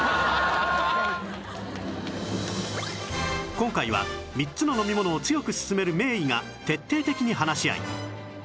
今回は３つの飲み物を強く勧める名医が徹底的に話し合い